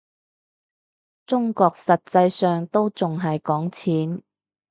中國實際上都仲係講錢